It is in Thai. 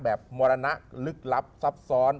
มรณะลึกลับซับซ้อน